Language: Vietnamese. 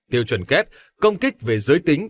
tiêu chuẩn kép công kích về giới tính